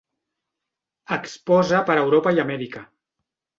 Exposa per Europa i Amèrica.